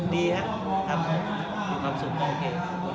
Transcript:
ดีครับมีความสุขก็โอเค